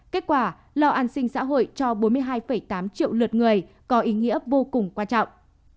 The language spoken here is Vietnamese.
kết quả lo an sinh xã hội cho bốn mươi hai tám triệu lượt người có ý nghĩa vô cùng quan trọng